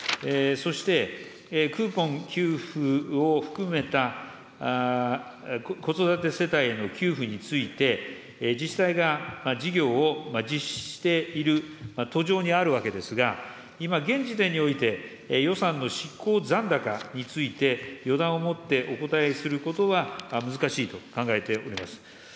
そして、クーポン給付を含めた、子育て世帯への給付について、自治体が事業を実施している途上にあるわけですが、今、現時点において、予算の執行残高について予断を持ってお答えすることは難しいと考えております。